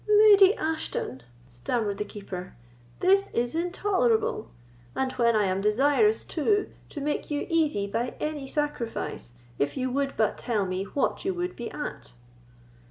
"Lady Ashton," stammered the Keeper, "this is intolerable; and when I am desirous, too, to make you easy by any sacrifice, if you would but tell me what you would be at."